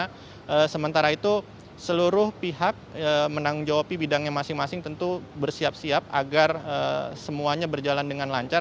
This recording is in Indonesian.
karena sementara itu seluruh pihak menang jawab bidangnya masing masing tentu bersiap siap agar semuanya berjalan dengan lancar